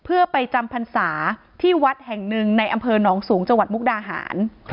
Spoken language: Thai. เพื่อไปจำพรรษาที่วัดแห่งหนึ่งในอำเภอหนองสูงจังหวัดมุกดาหาร